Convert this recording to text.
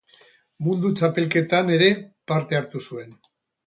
Mundu Txapelketan ere parte hartu zuen.